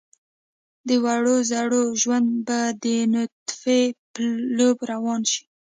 د وړو زړو ژوند به د نطفې پلو روان شي.